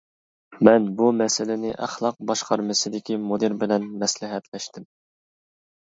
مەن بۇ مەسىلىنى ئەخلاق باشقارمىسىدىكى مۇدىر بىلەن مەسلىھەتلەشتىم.